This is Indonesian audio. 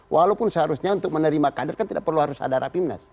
walaupun seharusnya untuk menerima kader kan tidak perlu harus ada rapimnas